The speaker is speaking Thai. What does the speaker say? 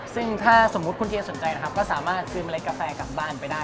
ซึ่งถ้าสมมุติคุณเทียสนใจนะครับก็สามารถซื้อเมล็ดกาแฟกลับบ้านไปได้